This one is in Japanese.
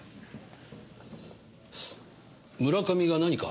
村上が何か？